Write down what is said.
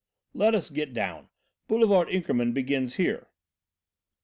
"Let us get down. Boulevard Inkermann begins here."